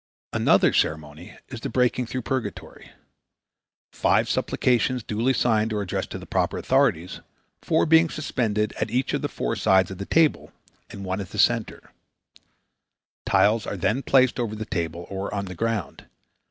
Another ceremony is the breaking through purgatory. Five supplications duly signed are addressed to the proper authorities, four being suspended at each of the four sides of the table and one at the center. Tiles are then placed over the table or on the ground.